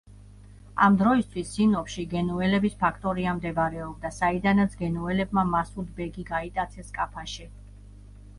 ამ დროისთვის სინოპში გენუელების ფაქტორია მდებარეობდა, საიდანაც გენუელებმა მასუდ ბეგი გაიტაცეს კაფაში.